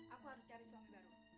aku harus cari suami baru